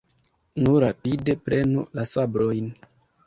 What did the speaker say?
Nu, rapide, prenu la sabrojn!